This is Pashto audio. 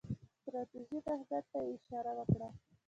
ستراتیژیک اهمیت ته یې اشاره وکړه.